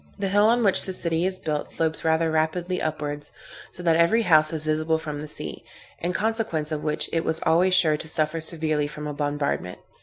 The hill on which the city is built, slopes rather rapidly upwards, so that every house is visible from the sea, in consequence of which it was always sure to suffer severely from a bombardment.